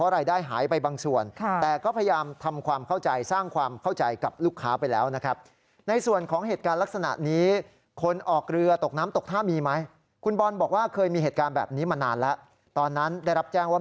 นี่มานานแล้วตอนนั้นได้รับแจ้งว่า